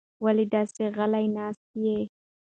ولې داسې غلې ناسته یې؟